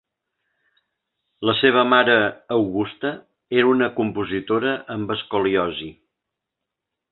La seva mare, Augusta, era una compositora amb escoliosi.